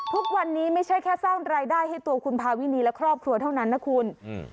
ทุกวันนี้ไม่ใช่แค่สร้างรายได้ให้ตัวคุณพาวินีและครอบครัวเท่านั้นนะคุณอืม